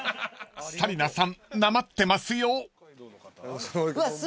［紗理奈さんなまってますよ］